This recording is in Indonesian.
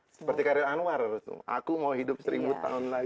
seperti karir anwar aku mau hidup seribu tahun lagi